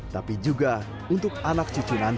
tapi juga untuk anak cucu nanti